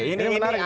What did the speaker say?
ini menarik nih